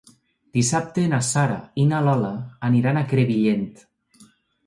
Dissabte na Sara i na Lola van a Crevillent.